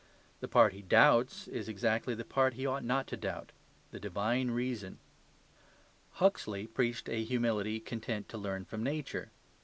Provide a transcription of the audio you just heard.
The part he doubts is exactly the part he ought not to doubt the Divine Reason. Huxley preached a humility content to learn from Nature.